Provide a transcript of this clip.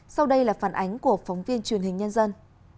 sau đây là phản ánh của phóng viên truyền hình nhân dân